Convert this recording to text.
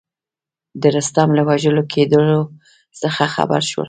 د رستم له وژل کېدلو څخه خبر شول.